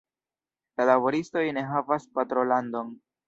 La laboristoj ne havas patrolandon.